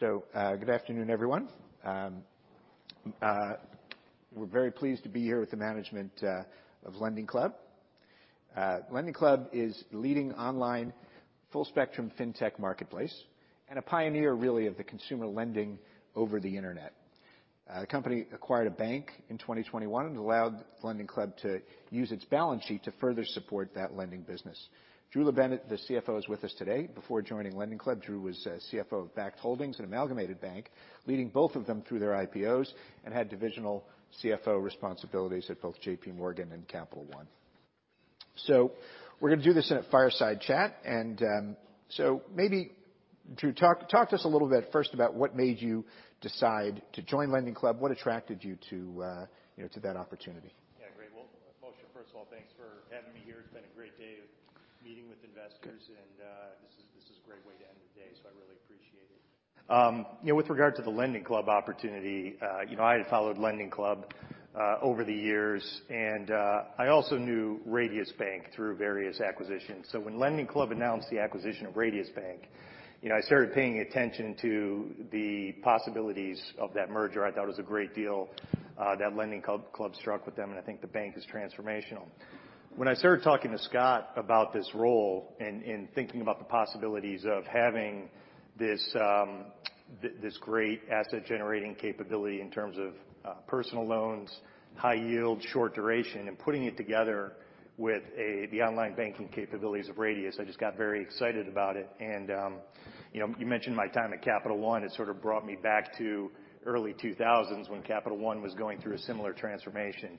Good afternoon, everyone. We're very pleased to be here with the management of LendingClub. LendingClub is a leading online full-spectrum fintech marketplace and a pioneer, really, of consumer lending over the internet. The company acquired a bank in 2021 and allowed LendingClub to use its balance sheet to further support that lending business. Drew LaBenne, the CFO, is with us today. Before joining LendingClub, Drew was CFO of Backed Holdings, an amalgamated bank, leading both of them through their IPOs and had divisional CFO responsibilities at both JP Morgan and Capital One. We're gonna do this in a fireside chat. Maybe, Drew, talk to us a little bit first about what made you decide to join LendingClub. What attracted you to, you know, to that opportunity? Yeah, great. Mosha, first of all, thanks for having me here. It's been a great day of meeting with investors. This is a great way to end the day, so I really appreciate it. You know, with regard to the LendingClub opportunity, you know, I had followed LendingClub over the years. I also knew Radius Bank through various acquisitions. When LendingClub announced the acquisition of Radius Bank, you know, I started paying attention to the possibilities of that merger. I thought it was a great deal that LendingClub struck with them. I think the bank is transformational. When I started talking to Scott about this role and thinking about the possibilities of having this, this great asset-generating capability in terms of personal loans, high yield, short duration, and putting it together with the online banking capabilities of Radius, I just got very excited about it. You know, you mentioned my time at Capital One. It sort of brought me back to early 2000s when Capital One was going through a similar transformation.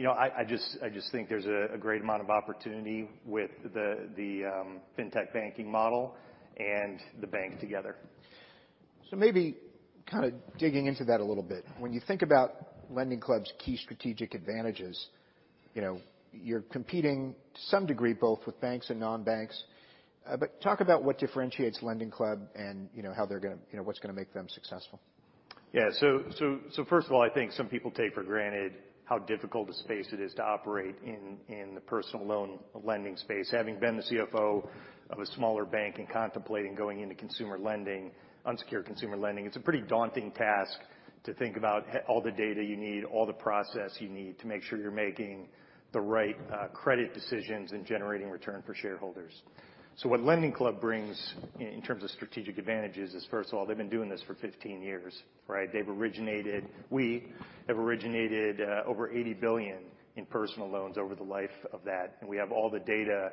You know, I just think there's a great amount of opportunity with the fintech banking model and the bank together. Maybe kinda digging into that a little bit. When you think about LendingClub's key strategic advantages, you know, you're competing to some degree both with banks and non-banks. Talk about what differentiates LendingClub and, you know, how they're gonna, you know, what's gonna make them successful. Yeah. First of all, I think some people take for granted how difficult a space it is to operate in, in the personal loan lending space. Having been the CFO of a smaller bank and contemplating going into consumer lending, unsecured consumer lending, it's a pretty daunting task to think about all the data you need, all the process you need to make sure you're making the right credit decisions and generating return for shareholders. What LendingClub brings in, in terms of strategic advantages is, first of all, they've been doing this for 15 years, right? They've originated, we have originated, over $80 billion in personal loans over the life of that. We have all the data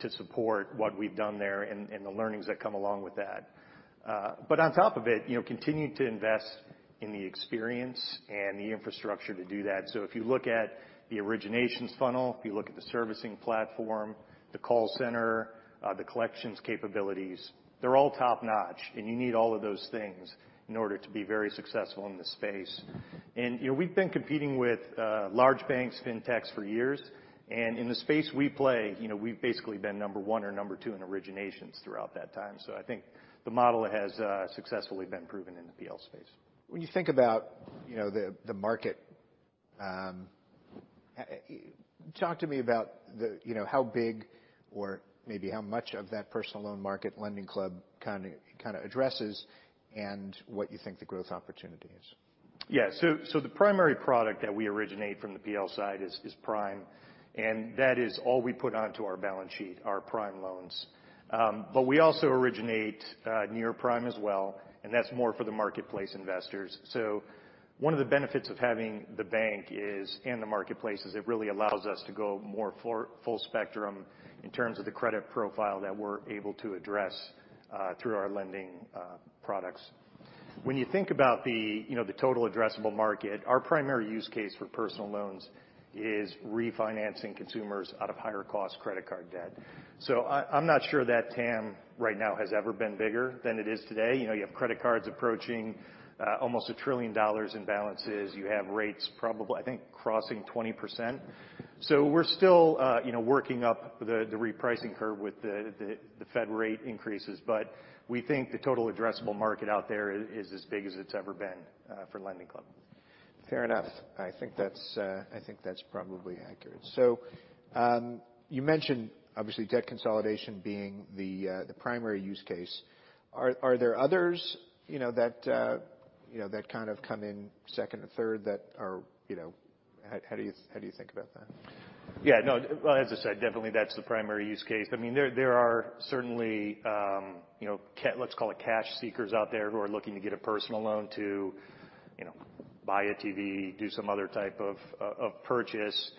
to support what we've done there and the learnings that come along with that. but on top of it, you know, continue to invest in the experience and the infrastructure to do that. If you look at the originations funnel, if you look at the servicing platform, the call center, the collections capabilities, they're all top-notch. You need all of those things in order to be very successful in this space. You know, we've been competing with large banks, fintechs for years. In the space we play, you know, we've basically been number one or number two in originations throughout that time. I think the model has successfully been proven in the PL space. When you think about, you know, the, the market, talk to me about the, you know, how big or maybe how much of that personal loan market LendingClub kinda addresses and what you think the growth opportunity is. Yeah. The primary product that we originate from the PL side is Prime. That is all we put onto our balance sheet, our Prime loans. We also originate Near Prime as well. That is more for the marketplace investors. One of the benefits of having the bank is in the marketplace is it really allows us to go more for full spectrum in terms of the credit profile that we are able to address, through our lending products. When you think about the, you know, the total addressable market, our primary use case for personal loans is refinancing consumers out of higher-cost credit card debt. I am not sure that TAM right now has ever been bigger than it is today. You know, you have credit cards approaching almost $1 trillion in balances. You have rates probably, I think, crossing 20%. We're still, you know, working up the repricing curve with the Fed rate increases. We think the total addressable market out there is as big as it's ever been, for LendingClub. Fair enough. I think that's probably accurate. You mentioned, obviously, debt consolidation being the primary use case. Are there others that kind of come in second or third? How do you think about that? Yeah. No, as I said, definitely that's the primary use case. I mean, there are certainly, you know, let's call it cash seekers out there who are looking to get a personal loan to, you know, buy a TV, do some other type of purchase.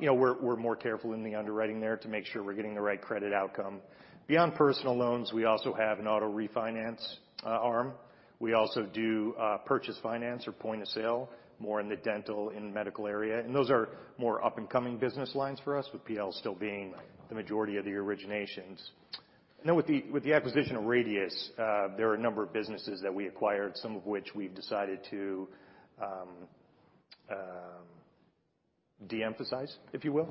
You know, we're more careful in the underwriting there to make sure we're getting the right credit outcome. Beyond personal loans, we also have an auto refinance arm. We also do purchase finance or point of sale, more in the dental and medical area. Those are more up-and-coming business lines for us, with PL still being the majority of the originations. With the acquisition of Radius, there are a number of businesses that we acquired, some of which we've decided to de-emphasize, if you will.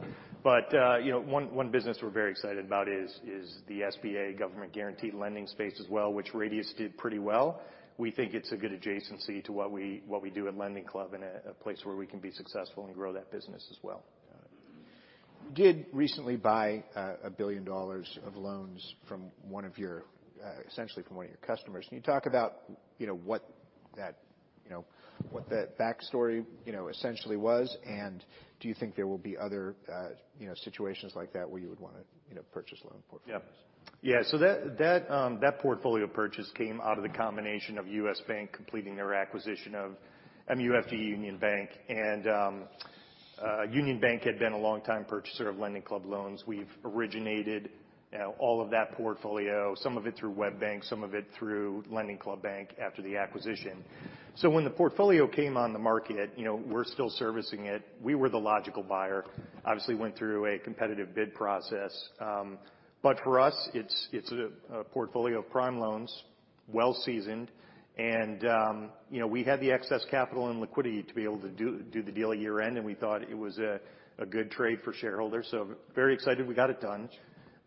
You know, one business we're very excited about is the SBA government-guaranteed lending space as well, which Radius did pretty well. We think it's a good adjacency to what we do at LendingClub in a place where we can be successful and grow that business as well. Got it. You did recently buy a billion dollars of loans from one of your, essentially from one of your customers. Can you talk about, you know, what that, you know what that backstory, you know, essentially was? Do you think there will be other, you know, situations like that where you would wanna, you know, purchase loan portfolios? Yeah. Yeah. That portfolio purchase came out of the combination of U.S. Bank completing their acquisition of MUFG Union Bank. Union Bank had been a long-time purchaser of LendingClub loans. We've originated, you know, all of that portfolio, some of it through WebBank, some of it through LendingClub Bank after the acquisition. When the portfolio came on the market, you know, we're still servicing it. We were the logical buyer. Obviously, went through a competitive bid process. For us, it's a portfolio of Prime loans, well-seasoned. You know, we had the excess capital and liquidity to be able to do the deal at year-end. We thought it was a good trade for shareholders. Very excited we got it done.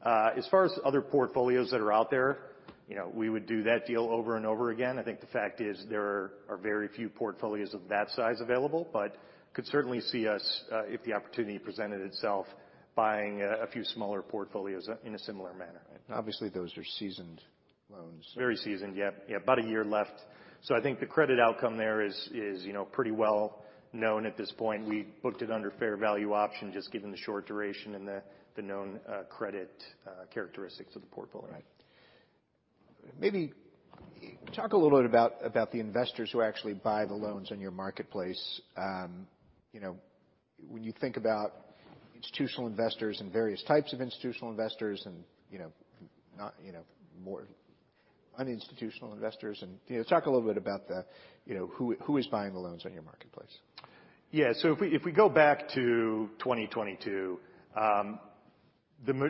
As far as other portfolios that are out there, you know, we would do that deal over and over again. I think the fact is there are very few portfolios of that size available. Could certainly see us, if the opportunity presented itself, buying a few smaller portfolios in a similar manner. Obviously, those are seasoned loans. Very seasoned. Yep. Yep. About a year left. I think the credit outcome there is, is, you know, pretty well known at this point. We booked it under fair value option just given the short duration and the, the known, credit, characteristics of the portfolio. Right. Maybe talk a little bit about the investors who actually buy the loans in your marketplace. You know, when you think about institutional investors and various types of institutional investors and, you know, not, you know, more uninstitutional investors, and, you know, talk a little bit about the, you know, who is buying the loans on your marketplace. Yeah. If we go back to 2022,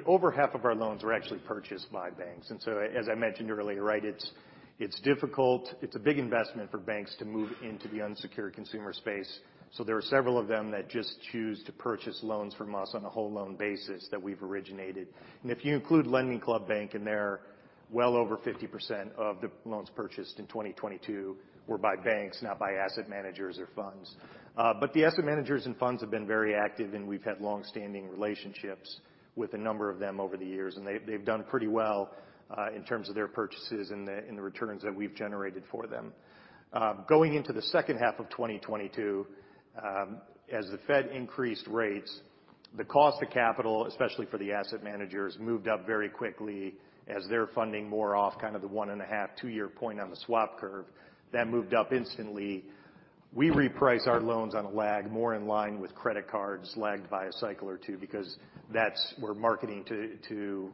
over half of our loans were actually purchased by banks. As I mentioned earlier, it's difficult. It's a big investment for banks to move into the unsecured consumer space. There are several of them that just choose to purchase loans from us on a whole-loan basis that we've originated. If you include LendingClub Bank in there, well over 50% of the loans purchased in 2022 were by banks, not by asset managers or funds. The asset managers and funds have been very active. We've had long-standing relationships with a number of them over the years. They've done pretty well, in terms of their purchases and the returns that we've generated for them. Going into the second half of 2022, as the Fed increased rates, the cost of capital, especially for the asset managers, moved up very quickly as they're funding more off kind of the one-and-a-half, two-year point on the swap curve. That moved up instantly. We reprice our loans on a lag more in line with credit cards lagged by a cycle or two because that's who we're marketing to, to,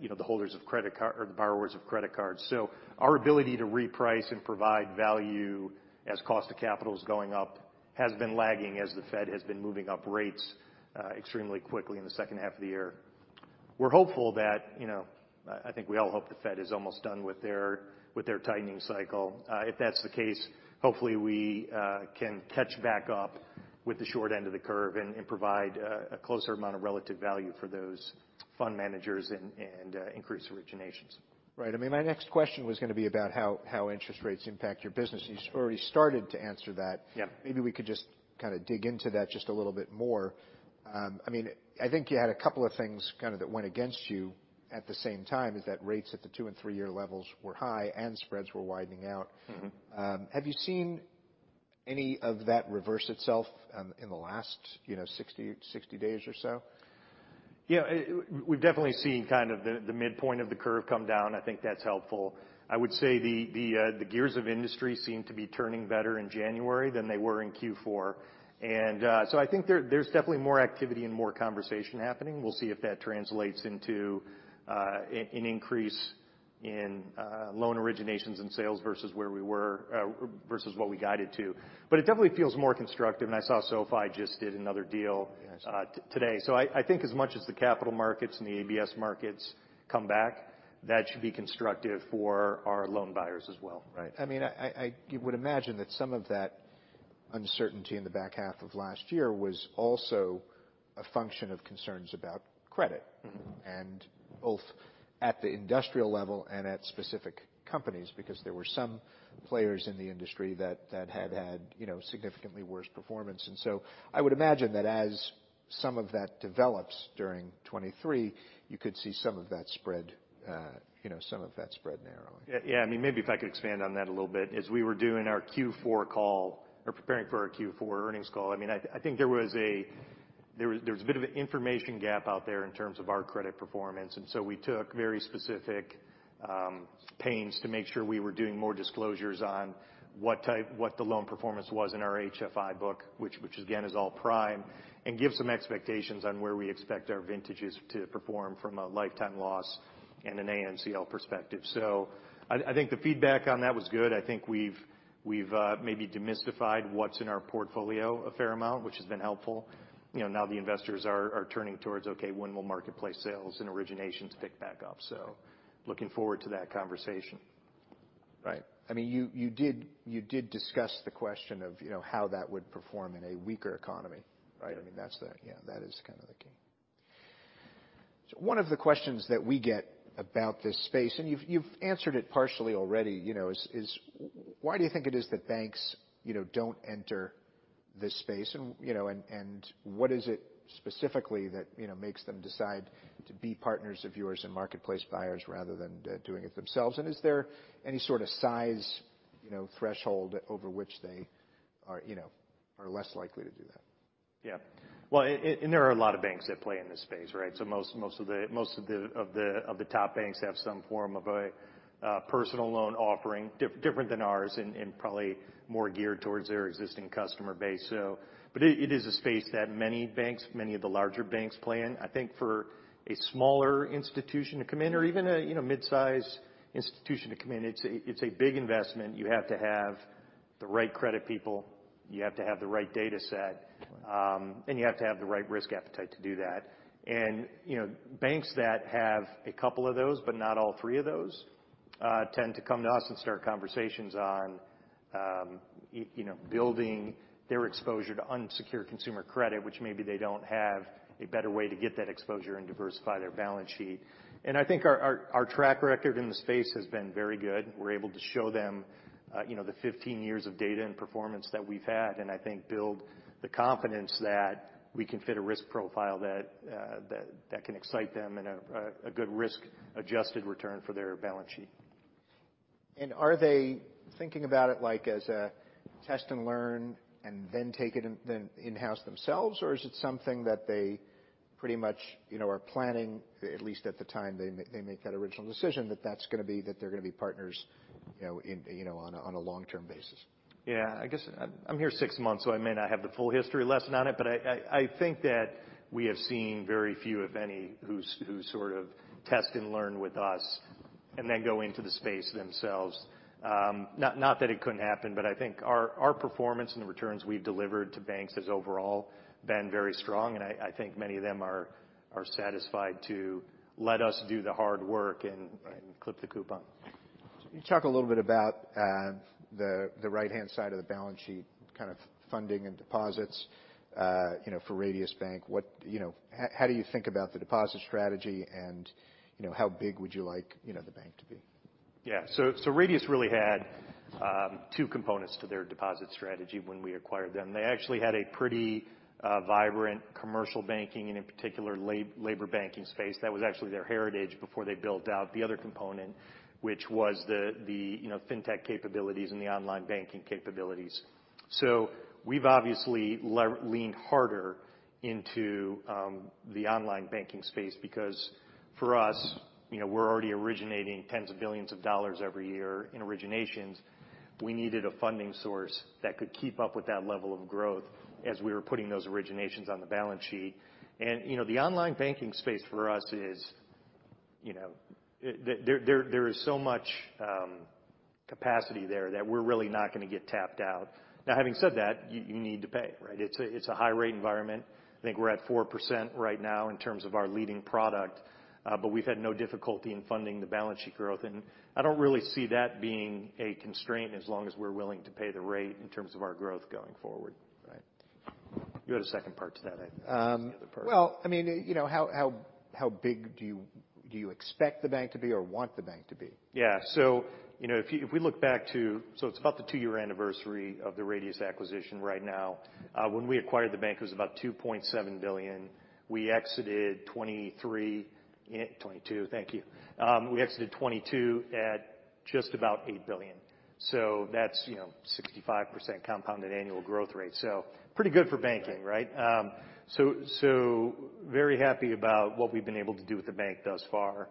you know, the holders of credit cards or the borrowers of credit cards. So our ability to reprice and provide value as cost of capital is going up has been lagging as the Fed has been moving up rates, extremely quickly in the second half of the year. We're hopeful that, you know, I think we all hope the Fed is almost done with their tightening cycle. If that's the case, hopefully we can catch back up with the short end of the curve and provide a closer amount of relative value for those fund managers and increase originations. Right. I mean, my next question was gonna be about how, how interest rates impact your business. And you've already started to answer that. Yep. Maybe we could just kinda dig into that just a little bit more. I mean, I think you had a couple of things kinda that went against you at the same time is that rates at the two and three-year levels were high and spreads were widening out. Mm-hmm. Have you seen any of that reverse itself, in the last, you know, 60, 60 days or so? Yeah. We've definitely seen kind of the midpoint of the curve come down. I think that's helpful. I would say the gears of industry seem to be turning better in January than they were in Q4. I think there's definitely more activity and more conversation happening. We'll see if that translates into an increase in loan originations and sales versus where we were, versus what we got it to. It definitely feels more constructive. I saw SoFi just did another deal. Yes. Today, I think as much as the capital markets and the ABS markets come back, that should be constructive for our loan buyers as well. Right. I mean, I, I, I, you would imagine that some of that uncertainty in the back half of last year was also a function of concerns about credit. Mm-hmm. Both at the industrial level and at specific companies because there were some players in the industry that had, you know, significantly worse performance. I would imagine that as some of that develops during 2023, you could see some of that spread narrowing. Yeah. Yeah. I mean, maybe if I could expand on that a little bit. As we were doing our Q4 call or preparing for our Q4 earnings call, I mean, I think there was a bit of an information gap out there in terms of our credit performance. We took very specific pains to make sure we were doing more disclosures on what the loan performance was in our HFI book, which again is all Prime, and give some expectations on where we expect our vintages to perform from a lifetime loss and an ACL perspective. I think the feedback on that was good. I think we've maybe demystified what's in our portfolio a fair amount, which has been helpful. You know, now the investors are turning towards, okay, when will marketplace sales and originations pick back up? Looking forward to that conversation. Right. I mean, you did discuss the question of, you know, how that would perform in a weaker economy, right? I mean, that's the yeah. That is kinda the key. One of the questions that we get about this space, and you've, you've answered it partially already, you know, is, is why do you think it is that banks, you know, don't enter this space? And, you know, what is it specifically that, you know, makes them decide to be partners of yours and marketplace buyers rather than doing it themselves? Is there any sort of size, you know, threshold over which they are, you know, are less likely to do that? Yeah. And there are a lot of banks that play in this space, right? Most of the top banks have some form of a personal loan offering, different than ours and probably more geared towards their existing customer base. It is a space that many banks, many of the larger banks play in. I think for a smaller institution to come in or even a mid-sized institution to come in, it's a big investment. You have to have the right credit people. You have to have the right data set. You have to have the right risk appetite to do that. You know, banks that have a couple of those but not all three of those tend to come to us and start conversations on, you know, building their exposure to unsecured consumer credit, which maybe they do not have a better way to get that exposure and diversify their balance sheet. I think our track record in the space has been very good. We are able to show them, you know, the 15 years of data and performance that we have had and, I think, build the confidence that we can fit a risk profile that can excite them in a good risk-adjusted return for their balance sheet. Are they thinking about it like as a test and learn and then take it in then in-house themselves? Or is it something that they pretty much, you know, are planning, at least at the time they make that original decision, that that's gonna be that they're gonna be partners, you know, in, you know, on a on a long-term basis? Yeah. I guess I'm here six months, so I may not have the full history lesson on it. But I think that we have seen very few, if any, who sort of test and learn with us and then go into the space themselves. Not that it couldn't happen. I think our performance and the returns we've delivered to banks has overall been very strong. I think many of them are satisfied to let us do the hard work and clip the coupon. Can you talk a little bit about the right-hand side of the balance sheet, kind of funding and deposits, you know, for Radius Bank? What, you know, how do you think about the deposit strategy and, you know, how big would you like, you know, the bank to be? Yeah. Radius really had two components to their deposit strategy when we acquired them. They actually had a pretty vibrant commercial banking and, in particular, labor banking space. That was actually their heritage before they built out the other component, which was the fintech capabilities and the online banking capabilities. We have obviously leaned harder into the online banking space because for us, you know, we're already originating tens of billions of dollars every year in originations. We needed a funding source that could keep up with that level of growth as we were putting those originations on the balance sheet. You know, the online banking space for us is, you know, there is so much capacity there that we're really not gonna get tapped out. Now, having said that, you need to pay, right? It's a high-rate environment. I think we're at 4% right now in terms of our leading product. We have had no difficulty in funding the balance sheet growth. I do not really see that being a constraint as long as we're willing to pay the rate in terms of our growth going forward. Right. You had a second part to that, I think. The other part. I mean, you know, how, how big do you expect the bank to be or want the bank to be? Yeah. So, you know, if we look back to, so it's about the two-year anniversary of the Radius acquisition right now. When we acquired the bank, it was about $2.7 billion. We exited 2023—in 2022, thank you—we exited 2022 at just about $8 billion. So that's, you know, 65% compounded annual growth rate. So pretty good for banking, right? So, very happy about what we've been able to do with the bank thus far.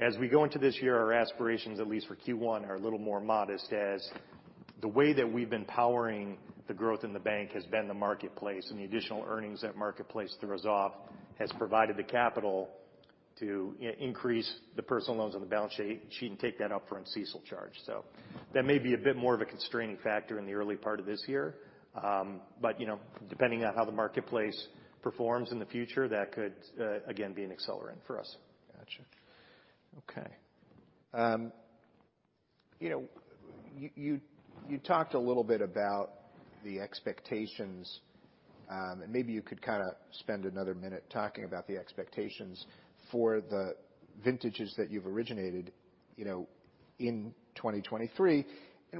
As we go into this year, our aspirations, at least for Q1, are a little more modest as the way that we've been powering the growth in the bank has been the marketplace. And the additional earnings that marketplace throws off has provided the capital to, you know, increase the personal loans on the balance sheet and take that up for unceasable charge. That may be a bit more of a constraining factor in the early part of this year, but, you know, depending on how the marketplace performs in the future, that could, again, be an accelerant for us. Gotcha. Okay. You know, you talked a little bit about the expectations. And maybe you could kinda spend another minute talking about the expectations for the vintages that you've originated, you know, in 2023.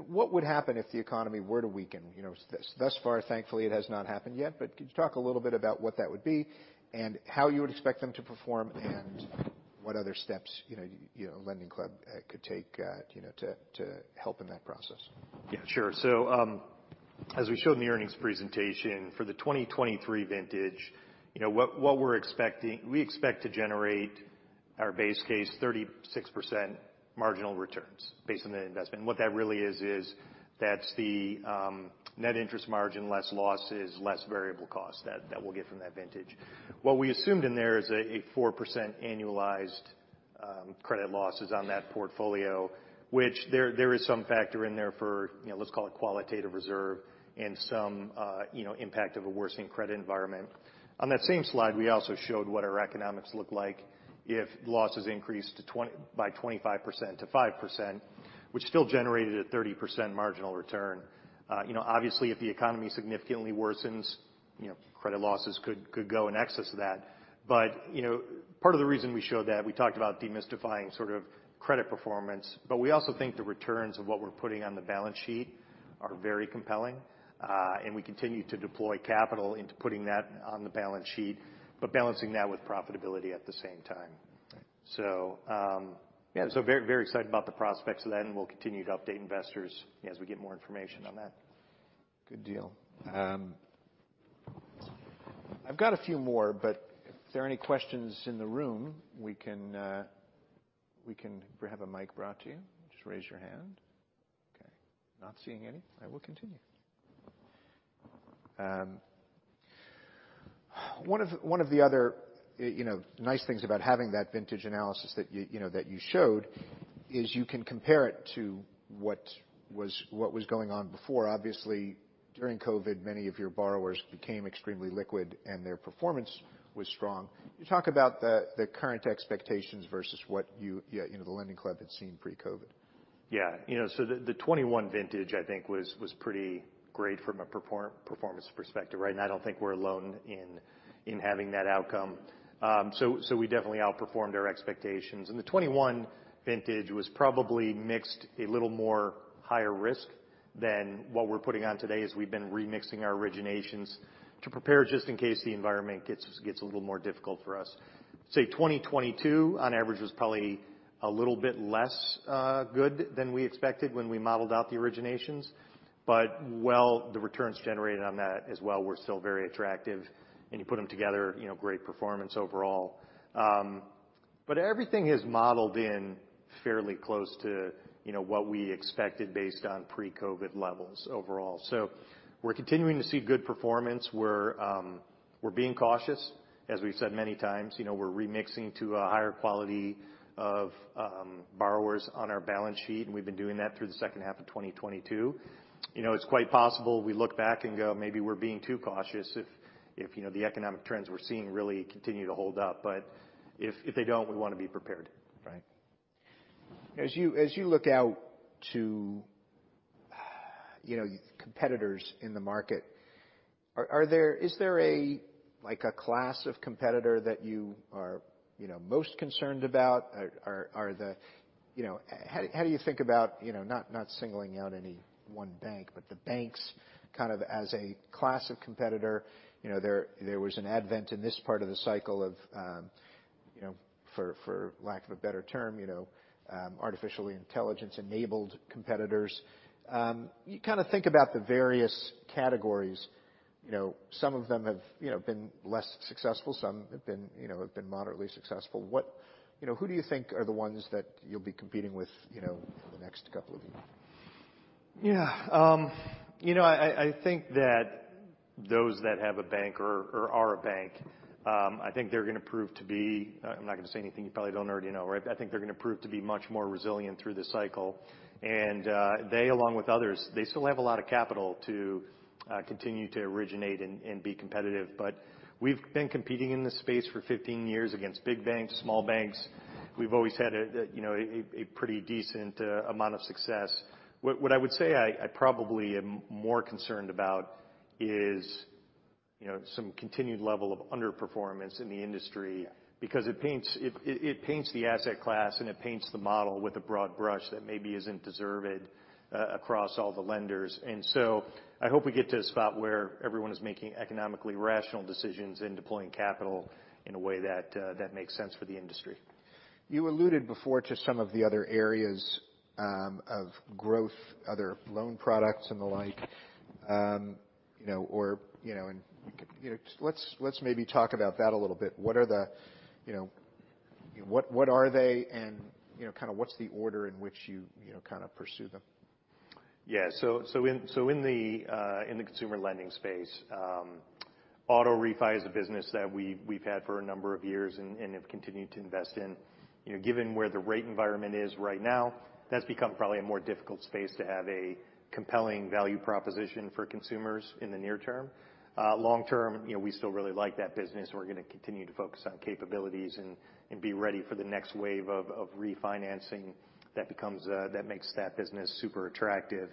What would happen if the economy were to weaken? You know, thus far, thankfully, it has not happened yet. Could you talk a little bit about what that would be and how you would expect them to perform and what other steps, you know, you know, LendingClub could take, you know, to help in that process? Yeah. Sure. As we showed in the earnings presentation for the 2023 vintage, you know, what we're expecting, we expect to generate our base case 36% marginal returns based on the investment. What that really is, is that's the net interest margin, less losses, less variable cost that we'll get from that vintage. What we assumed in there is a 4% annualized credit losses on that portfolio, which there is some factor in there for, you know, let's call it qualitative reserve and some, you know, impact of a worsening credit environment. On that same slide, we also showed what our economics look like if losses increased by 25% to 5%, which still generated a 30% marginal return. You know, obviously, if the economy significantly worsens, you know, credit losses could go in excess of that. You know, part of the reason we showed that, we talked about demystifying sort of credit performance. We also think the returns of what we're putting on the balance sheet are very compelling, and we continue to deploy capital into putting that on the balance sheet but balancing that with profitability at the same time. Yeah, very, very excited about the prospects of that. We'll continue to update investors, you know, as we get more information on that. Good deal. I've got a few more. If there are any questions in the room, we can have a mic brought to you. Just raise your hand. Okay. Not seeing any. I will continue. One of the other, you know, nice things about having that vintage analysis that you, you know, that you showed is you can compare it to what was going on before. Obviously, during COVID, many of your borrowers became extremely liquid, and their performance was strong. Can you talk about the current expectations versus what you, you know, LendingClub had seen pre-COVID? Yeah. You know, the 2021 vintage, I think, was pretty great from a performance perspective, right? I do not think we are alone in having that outcome. We definitely outperformed our expectations. The 2021 vintage was probably mixed a little more higher risk than what we are putting on today as we have been remixing our originations to prepare just in case the environment gets a little more difficult for us. Say 2022, on average, was probably a little bit less good than we expected when we modeled out the originations. While the returns generated on that as well were still very attractive, and you put them together, great performance overall. Everything has modeled in fairly close to what we expected based on pre-COVID levels overall. We are continuing to see good performance. We are being cautious. As we've said many times, you know, we're remixing to a higher quality of borrowers on our balance sheet. And we've been doing that through the second half of 2022. You know, it's quite possible we look back and go, "Maybe we're being too cautious if, if, you know, the economic trends we're seeing really continue to hold up." But if they don't, we wanna be prepared. Right. As you look out to, you know, competitors in the market, are there, is there a, like, a class of competitor that you are, you know, most concerned about? Are the, you know, how do you think about, you know, not singling out any one bank but the banks kind of as a class of competitor? You know, there was an advent in this part of the cycle of, you know, for lack of a better term, you know, artificial intelligence-enabled competitors. You kinda think about the various categories. You know, some of them have, you know, been less successful. Some have been, you know, have been moderately successful. What, you know, who do you think are the ones that you'll be competing with, you know, in the next couple of years? Yeah. You know, I think that those that have a bank or are a bank, I think they're gonna prove to be, I'm not gonna say anything you probably don't already know, right? I think they're gonna prove to be much more resilient through this cycle. They, along with others, they still have a lot of capital to continue to originate and be competitive. We've been competing in this space for 15 years against big banks, small banks. We've always had a pretty decent amount of success. What I would say I probably am more concerned about is, you know, some continued level of underperformance in the industry. Because it paints the asset class, and it paints the model with a broad brush that maybe isn't deserved, across all the lenders. I hope we get to a spot where everyone is making economically rational decisions and deploying capital in a way that makes sense for the industry. You alluded before to some of the other areas of growth, other loan products and the like, you know, or, you know, and you can, you know, let's maybe talk about that a little bit. What are the, you know, you know, what, what are they and, you know, kinda what's the order in which you, you know, kinda pursue them? Yeah. In the consumer lending space, auto refi is a business that we've had for a number of years and have continued to invest in. You know, given where the rate environment is right now, that's become probably a more difficult space to have a compelling value proposition for consumers in the near term. Long term, you know, we still really like that business. We're gonna continue to focus on capabilities and be ready for the next wave of refinancing that becomes, that makes that business super attractive.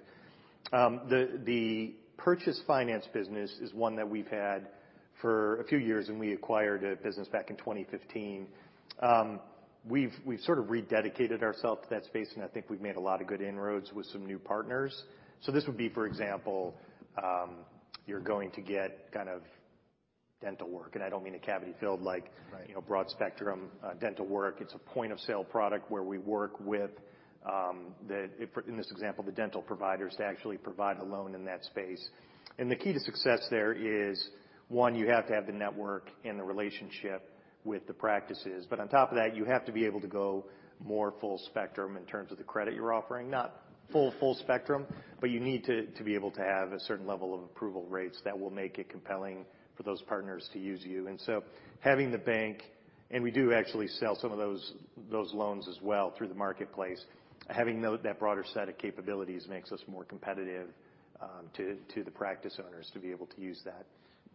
The purchase finance business is one that we've had for a few years. And we acquired a business back in 2015. We've sort of rededicated ourselves to that space. And I think we've made a lot of good inroads with some new partners. This would be, for example, you're going to get kind of dental work. I don't mean a cavity-filled like. Right. You know, broad-spectrum, dental work. It's a point-of-sale product where we work with, the, for in this example, the dental providers to actually provide a loan in that space. The key to success there is, one, you have to have the network and the relationship with the practices. On top of that, you have to be able to go more full spectrum in terms of the credit you're offering. Not full, full spectrum, but you need to be able to have a certain level of approval rates that will make it compelling for those partners to use you. Having the bank and we do actually sell some of those loans as well through the marketplace. Having that broader set of capabilities makes us more competitive, to the practice owners to be able to use that.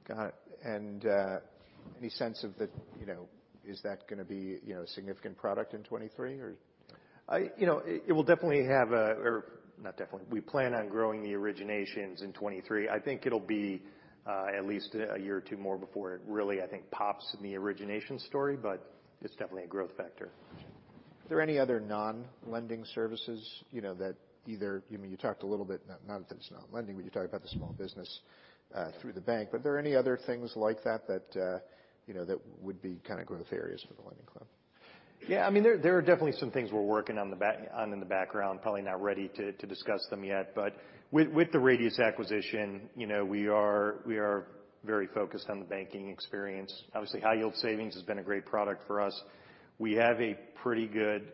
Got it. Any sense of the, you know, is that gonna be, you know, a significant product in 2023 or? You know, it will definitely have a, or not definitely. We plan on growing the originations in 2023. I think it will be at least a year or two more before it really, I think, pops in the origination story. But it is definitely a growth factor. Gotcha. Are there any other non-lending services, you know, that either, I mean, you talked a little bit, not that it's not lending, but you talked about the small business, through the bank. Are there any other things like that that, you know, that would be kinda growth areas for LendingClub? Yeah. I mean, there are definitely some things we're working on in the background, probably not ready to discuss them yet. With the Radius acquisition, you know, we are very focused on the banking experience. Obviously, high-yield savings has been a great product for us. We have a pretty good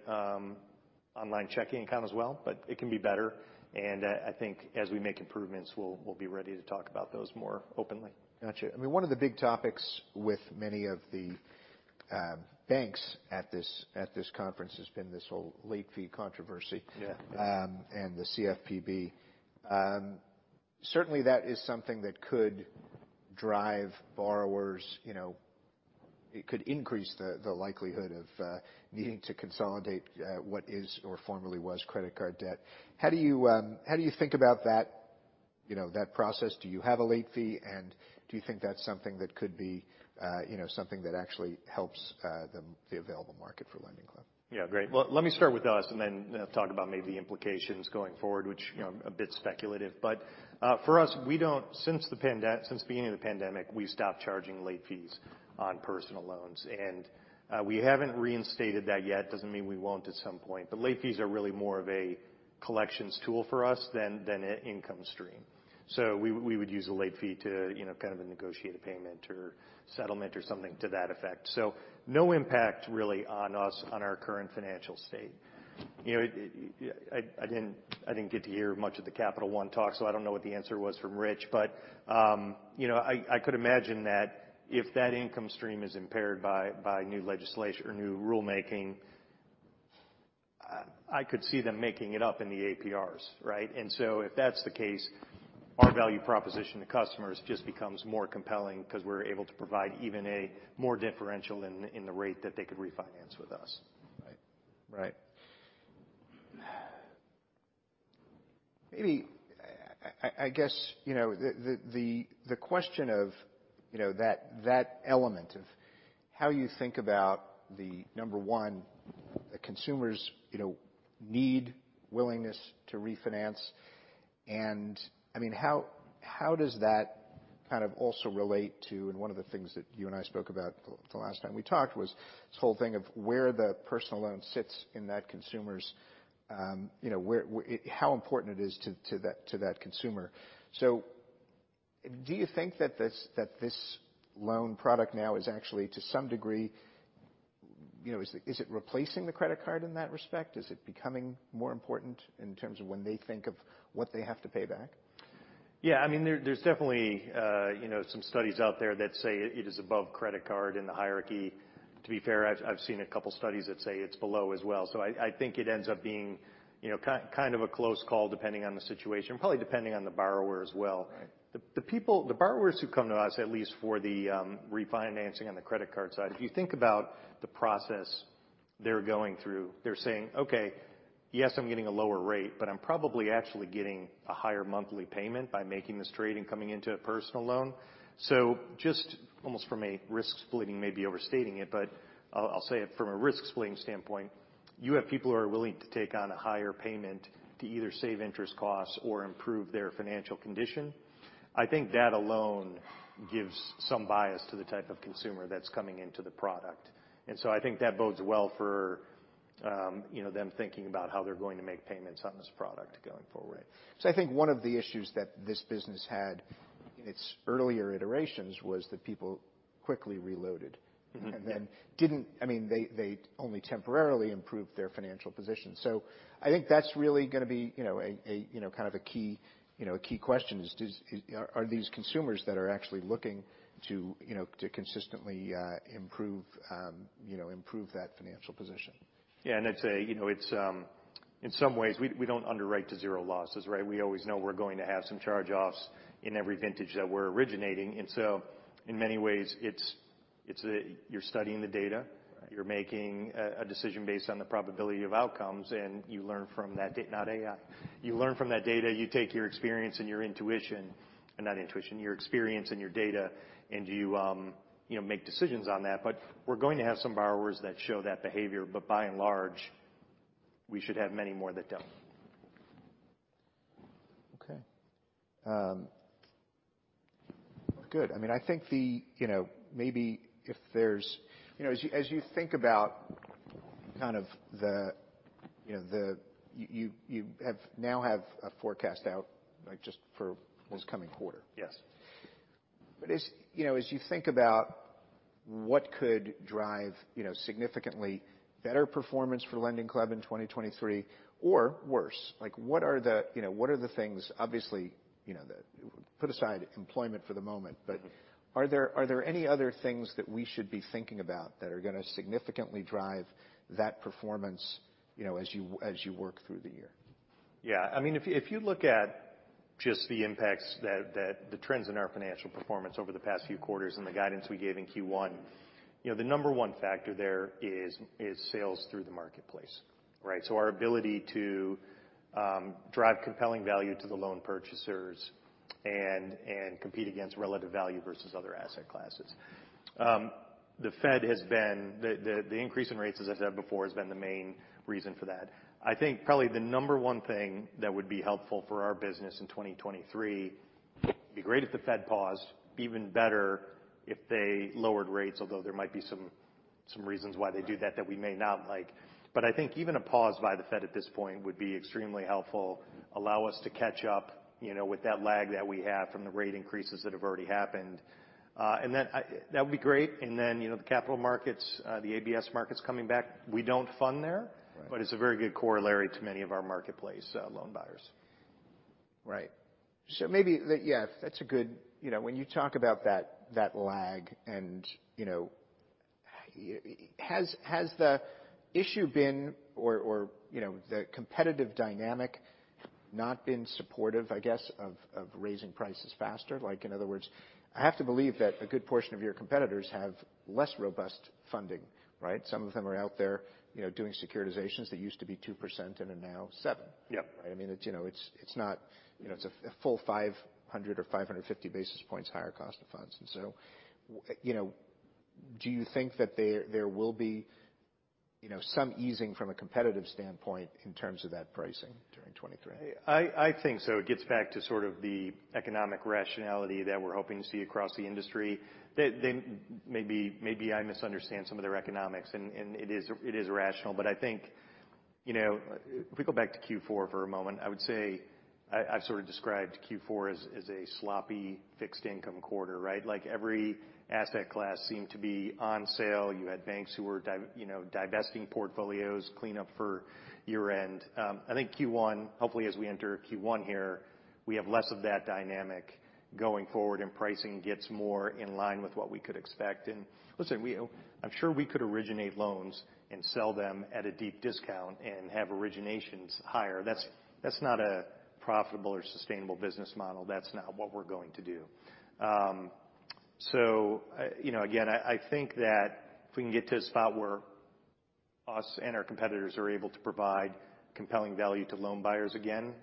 online checking account as well. It can be better. I think as we make improvements, we'll be ready to talk about those more openly. Gotcha. I mean, one of the big topics with many of the banks at this conference has been this whole late fee controversy. Yeah. and the CFPB. Certainly, that is something that could drive borrowers, you know it could increase the, the likelihood of, needing to consolidate, what is or formerly was credit card debt. How do you, how do you think about that, you know, that process? Do you have a late fee? And do you think that's something that could be, you know, something that actually helps, the, the available market for LendingClub? Yeah. Great. Let me start with us and then, you know, talk about maybe the implications going forward, which, you know, a bit speculative. For us, we don't, since the beginning of the pandemic, we stopped charging late fees on personal loans. We haven't reinstated that yet. Doesn't mean we won't at some point. Late fees are really more of a collections tool for us than an income stream. We would use a late fee to, you know, kind of a negotiated payment or settlement or something to that effect. No impact really on us on our current financial state. I didn't get to hear much of the Capital One talk. I don't know what the answer was from Rich. You know, I could imagine that if that income stream is impaired by new legislation or new rulemaking, I could see them making it up in the APRs, right? If that's the case, our value proposition to customers just becomes more compelling 'cause we're able to provide even a more differential in the rate that they could refinance with us. Right. Right. Maybe, I guess, you know, the question of, you know, that element of how you think about the number one, the consumer's, you know, need, willingness to refinance. And I mean, how does that kind of also relate to and one of the things that you and I spoke about the last time we talked was this whole thing of where the personal loan sits in that consumer's, you know, where it, how important it is to that consumer. So do you think that this loan product now is actually, to some degree, you know, is it replacing the credit card in that respect? Is it becoming more important in terms of when they think of what they have to pay back? Yeah. I mean, there are definitely, you know, some studies out there that say it is above credit card in the hierarchy. To be fair, I've seen a couple studies that say it's below as well. I think it ends up being, you know, kind of a close call depending on the situation, probably depending on the borrower as well. Right. The people, the borrowers who come to us, at least for the refinancing on the credit card side, if you think about the process they're going through, they're saying, "Okay. Yes, I'm getting a lower rate. But I'm probably actually getting a higher monthly payment by making this trade and coming into a personal loan." Just almost from a risk splitting, maybe overstating it, but I'll say it from a risk splitting standpoint, you have people who are willing to take on a higher payment to either save interest costs or improve their financial condition. I think that alone gives some bias to the type of consumer that's coming into the product. I think that bodes well for, you know, them thinking about how they're going to make payments on this product going forward. Right. I think one of the issues that this business had in its earlier iterations was that people quickly reloaded. Mm-hmm. They only temporarily improved their financial position. I think that's really gonna be, you know, kind of a key, you know, a key question is, are these consumers that are actually looking to, you know, to consistently improve, you know, improve that financial position? Yeah. I'd say, you know, it's, in some ways, we don't underwrite to zero losses, right? We always know we're going to have some charge-offs in every vintage that we're originating. In many ways, it's, it's a you're studying the data. Right. You're making a decision based on the probability of outcomes. You learn from that data, not AI. You learn from that data. You take your experience and your intuition, and not intuition, your experience and your data. You know, make decisions on that. We're going to have some borrowers that show that behavior. By and large, we should have many more that don't. Okay. Good. I mean, I think the, you know, maybe if there's, you know, as you think about kind of the, you know, the you, you, you have now have a forecast out, like, just for this coming quarter. Yes. As you know, as you think about what could drive, you know, significantly better performance for LendingClub in 2023 or worse, like, what are the, you know, what are the things, obviously, you know, that, put aside employment for the moment. Mm-hmm. Are there any other things that we should be thinking about that are gonna significantly drive that performance, you know, as you work through the year? Yeah. I mean, if you look at just the impacts that the trends in our financial performance over the past few quarters and the guidance we gave in Q1, you know, the number one factor there is sales through the marketplace, right? So our ability to drive compelling value to the loan purchasers and compete against relative value versus other asset classes. The Fed has been the increase in rates, as I said before, has been the main reason for that. I think probably the number one thing that would be helpful for our business in 2023 would be great if the Fed paused, even better if they lowered rates, although there might be some reasons why they do that that we may not like. I think even a pause by the Fed at this point would be extremely helpful, allow us to catch up, you know, with that lag that we have from the rate increases that have already happened. I think that would be great. And then, you know, the capital markets, the ABS markets coming back, we do not fund there. Right. It is a very good corollary to many of our marketplace loan buyers. Right. Maybe, yeah, that's a good, you know, when you talk about that, that lag and, you know, has the issue been or, you know, the competitive dynamic not been supportive, I guess, of raising prices faster? Like, in other words, I have to believe that a good portion of your competitors have less robust funding, right? Some of them are out there, you know, doing securitizations that used to be 2% and are now 7%. Yep. Right? I mean, it's, you know, it's, it's not, you know, it's a full 500 or 550 basis points higher cost of funds. And so, you know, do you think that there, there will be, you know, some easing from a competitive standpoint in terms of that pricing during 2023? I think so. It gets back to sort of the economic rationality that we're hoping to see across the industry. They maybe, maybe I misunderstand some of their economics. And it is rational. I think, you know, if we go back to Q4 for a moment, I would say I, I've sort of described Q4 as a sloppy fixed-income quarter, right? Like, every asset class seemed to be on sale. You had banks who were divesting portfolios, clean up for year-end. I think Q1 hopefully, as we enter Q1 here, we have less of that dynamic going forward. Pricing gets more in line with what we could expect. Listen, we, I'm sure we could originate loans and sell them at a deep discount and have originations higher. That's not a profitable or sustainable business model. That's not what we're going to do. You know, again, I think that if we can get to a spot where us and our competitors are able to provide compelling value to loan buyers again,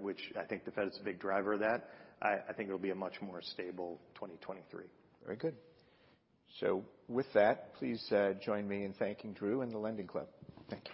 which I think the Fed is a big driver of that, I think it'll be a much more stable 2023. Very good. With that, please join me in thanking Drew and LendingClub. Thanks.